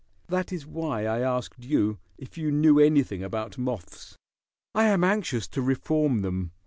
That is why I asked you if you knew anything about moths. I am anxious to reform them.